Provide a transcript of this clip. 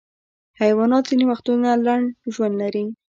حیوانات ځینې وختونه لنډ ژوند لري.